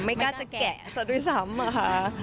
ไม่กล้าจะแกะซะด้วยซ้ำอะค่ะ